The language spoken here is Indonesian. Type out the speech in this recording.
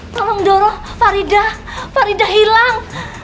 tolong dorong faridah faridah hilang